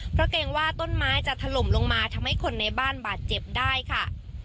เพราะเกรงว่าต้นไม้จะถล่มลงมาทำให้คนในบ้านบาดเจ็บได้ค่ะ